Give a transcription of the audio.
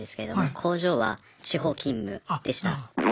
工場は地方勤務でした。